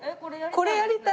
これやりたい。